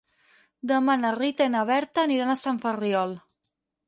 Demà na Rita i na Berta aniran a Sant Ferriol.